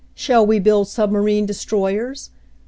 Shall we build submarine destroy ers?